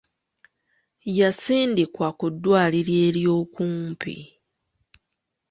Yasindikiddwa ku ddwaliro ery'okumpi.